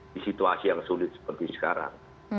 di situasi yang sulit seperti sekarang